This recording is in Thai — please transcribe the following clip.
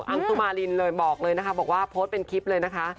องสุมารินเลยบอกเลยนะคะบอกว่าโพสต์เป็นคลิปเลยนะคะ